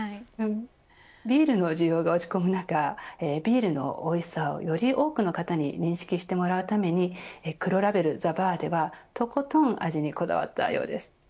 ビールの需要が落ち込む中ビールのおいしさをより多くの方に認識してもらうために黒ラベルＴＨＥＢＡＲではとことん味にこだわったようです。